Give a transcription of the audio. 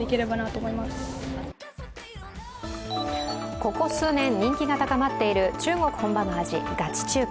ここ数年人気が高まっている中国本場の味、ガチ中華。